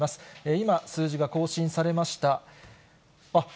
今、数字が更新されました。